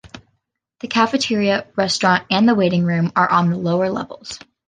The cafeteria, restaurant and waiting room are on the lower levels.